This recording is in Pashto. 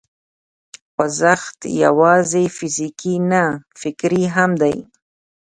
خوځښت یوازې فزیکي نه، فکري هم دی.